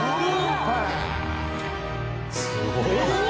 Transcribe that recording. すごいな。